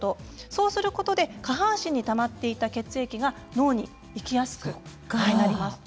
そうすることで下半身にたまっていた血液が脳に行きやすくなります。